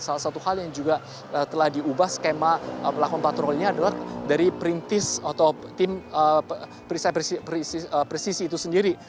salah satu hal yang juga telah diubah skema melakukan patrolinya adalah dari perintis atau tim presisi itu sendiri